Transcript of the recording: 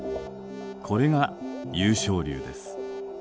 これが湧昇流です。